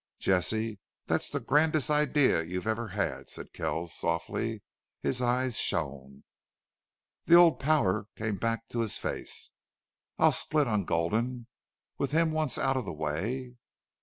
"Jesse, that's the grandest idea you ever had," said Kells, softly. His eyes shone. The old power came back to his face. "I split on Gulden. With him once out of the way